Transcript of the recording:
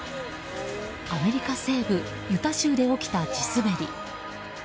アメリカ西部ユタ州で起きた地滑り。